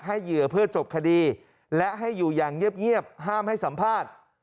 เหยื่อเพื่อจบคดีและให้อยู่อย่างเงียบห้ามให้สัมภาษณ์